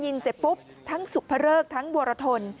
มีการฆ่ากันห้วย